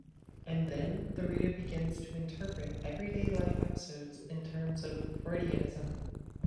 And then the reader begins to interpret everyday life episodes in terms of Freudianism.